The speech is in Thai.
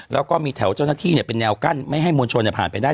แล้วก็มีแถวเจ้าหน้าที่เป็นแนวกั้นไม่ให้มวลชนผ่านไปได้